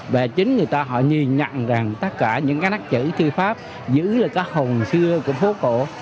và chính người ta họ nhìn nhận rằng tất cả những cái nát chữ thư pháp dữ là các hồn xưa của phố cổ